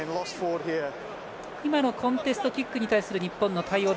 今のコンテストキックに対する日本の対応